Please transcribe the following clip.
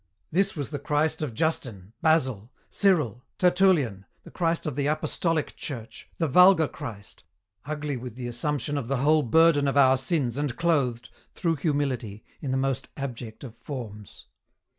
This was the Christ of Justin, Basil, Cyril, Tertullian, the Christ of the apostolic church, the vulgar Christ, ugly with the assumption of the whole burden of our sins and clothed, through humility, in the most abject of forms.